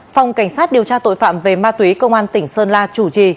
phòng cảnh sát điều tra tội phạm về ma túy công an tỉnh sơn la chủ trì